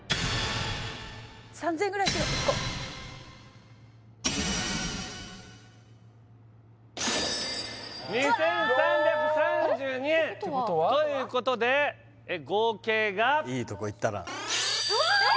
３０００円ぐらいしろ１個２３３２円ということで合計がいいとこいったなあーっ！